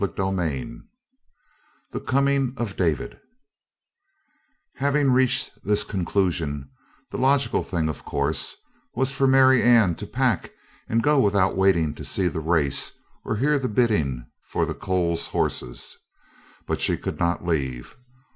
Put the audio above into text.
CHAPTER II THE COMING OF DAVID Having reached this conclusion, the logical thing, of course, was for Marianne to pack and go without waiting to see the race or hear the bidding for the Coles horses; but she could not leave.